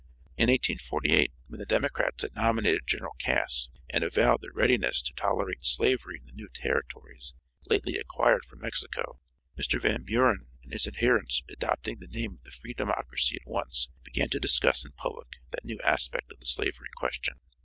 In 1848, when the Democrats had nominated General Cass, and avowed their readiness to tolerate slavery in the new territories lately acquired from Mexico, Mr. Van Buren and his adherents adopting the name of the free democracy at once began to discuss in public that new aspect of the slavery question.